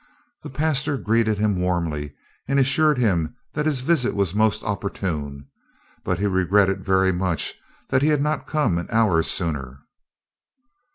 The pastor greeted him warmly and assured him that his visit was most opportune; but he regretted very much that he had not come an hour sooner.